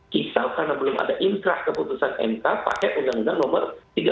kisah karena belum ada inkrah keputusan mk pakai undang undang nomor tiga